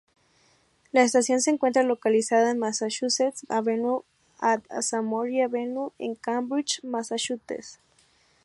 La estación se encuentra localizada en Massachusetts Avenue at Somerville Avenue en Cambridge, Massachusetts.